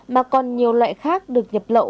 mà còn nhiều loại khác được nhập lậu